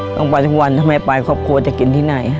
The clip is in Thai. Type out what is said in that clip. ต้องไปทุกวันทำไมไปครอบครัวจะกินที่ไหน